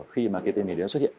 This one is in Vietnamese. khi mà cái tên miền đó xuất hiện